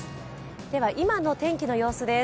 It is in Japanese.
では今の天気の様子です。